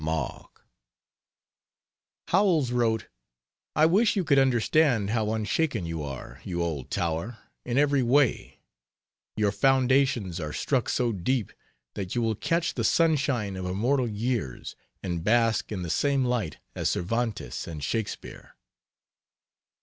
MARK. Howells wrote: "I wish you could understand how unshaken you are, you old tower, in every way; your foundations are struck so deep that you will catch the sunshine of immortal years, and bask in the same light as Cervantes and Shakespeare."